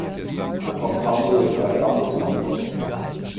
Man kommt kaum durch, weil der Bambus so wuchert.